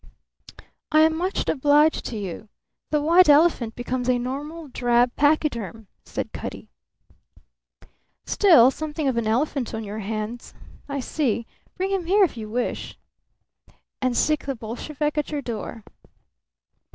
"I am much obliged to you. The white elephant becomes a normal drab pachyderm," said Cutty. "Still something of an elephant on your hands. I see. Bring him here if you wish." "And sic the Bolshevik at your door."